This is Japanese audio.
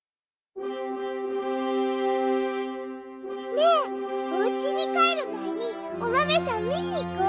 ねえおうちにかえるまえにおまめさんみにいこう！